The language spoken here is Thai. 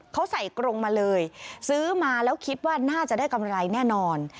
เขาใส่กรงมาเลยซื้อมาแล้วคิดว่าน่าจะได้กำไรแน่นอน